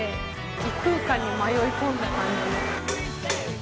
異空間に迷い込んだ感じ。